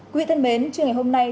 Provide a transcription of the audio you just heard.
quý thân mến chuyên ngày hôm nay